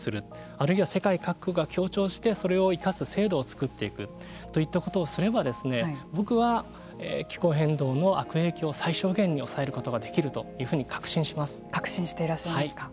あるいは世界各国が協調してそれを生かす制度を作っていくといったことをすれば僕は気候変動の悪影響を最小限に抑えることができるというふうに確信していらっしゃいますか。